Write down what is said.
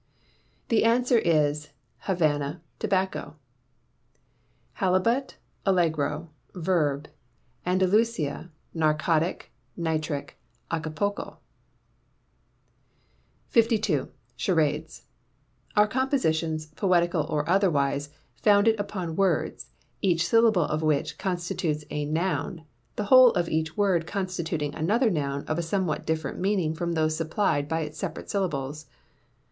The answer is Havanna Tobacco. _H_alibu_t_, _A_llegr_o_, _V_er_b_, _A_ndalusi_a_, _N_arcoti_c_, _N_itri_c_, _A_capulc_o_. 52. Charades are compositions, poetical or otherwise, founded upon words, each syllable of which constitutes a noun, the whole of each word constituting another noun of a somewhat different meaning from those supplied by its separate syllables.